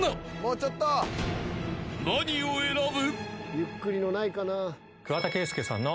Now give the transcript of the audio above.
［何を選ぶ？］